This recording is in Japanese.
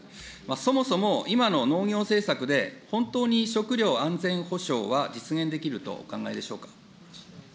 そもそも今の農業政策で、本当に食料安全保障は実現できるとお考えでしょうか。